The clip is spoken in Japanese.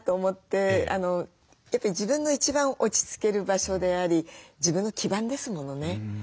自分の一番落ち着ける場所であり自分の基盤ですものね。